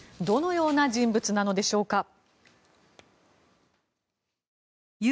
どのような人物なのでしょうか。